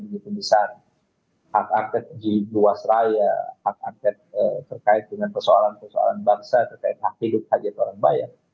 misalnya hak angkat di luas raya hak angkat terkait dengan persoalan persoalan bangsa terkait hak hidup hajat orang bayang